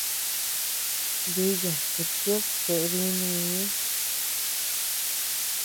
Biya kuchid cheʼe bínuu.